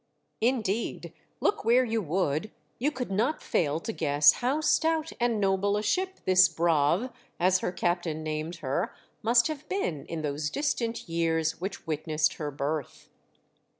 Indeed, look where you would, you could not fail to guess how stout and noble a ship this Braave, as her captain named her, must have been in those distant years which witnessed her birth.